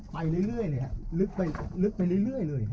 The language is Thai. ไปเรื่อยเลยฮะลึกไปลึกไปเรื่อยเลยฮะ